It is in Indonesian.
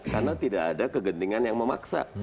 karena tidak ada kegentingan yang memaksa